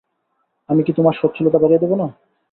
আমি কি তোমার সচ্ছলতা বাড়িয়ে দিব না?